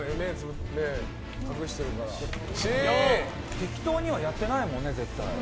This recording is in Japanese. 適当にはやってないもんね絶対。